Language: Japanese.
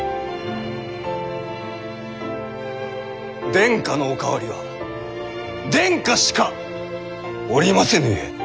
殿下のお代わりは殿下しかおりませぬゆえ。